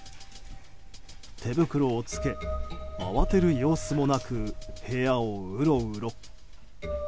手袋をつけ、慌てる様子もなく部屋をうろうろ。